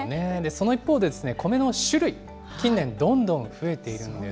その一方でコメの種類、近年、どんどん増えているんです。